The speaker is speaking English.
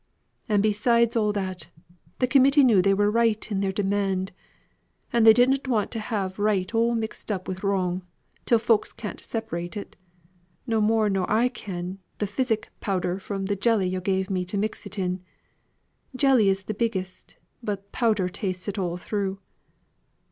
And besides all that, Committee knew they were right in their demand, and they didn't want to have right all mixed up wi' wrong, till folk can't separate it, no more nor I can the physic powder from th' jelly yo' gave me to mix it in; jelly is much the biggest, but powder tastes it all through.